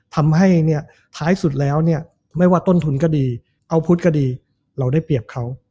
ทำให้เนี่ยท้ายสุดแล้วเนี่ยไม่ว่าต้นทุนก็ดีอาวุธก็ดีเราได้เปรียบเขา